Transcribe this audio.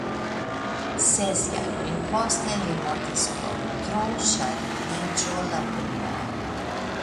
Ses jarojn poste li mortis pro troŝargiĝo labora.